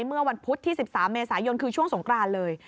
เมื่อวันพุธที่๑๓เมษายนคือช่วงสงกรานเลย